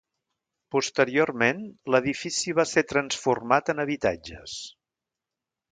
Posteriorment, l'edifici va ser transformat en habitatges.